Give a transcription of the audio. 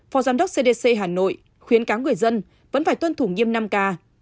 phó giám đốc cdc hà nội khuyến cáo người dân vẫn phải tuân thủ nghiêm năm k